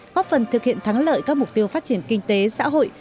góp phần thực hiện thắng lợi các mục tiêu phát triển kinh tế xã hội